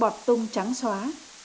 bọt tung trắng xóa